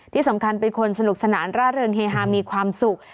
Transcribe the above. ที่สำคัญเป็นคนสนุกสนานร่าเริงเฮฮามีความสุข